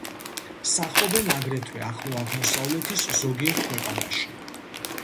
სახლობენ აგრეთვე ახლო აღმოსავლეთის ზოგიერთ ქვეყანაში.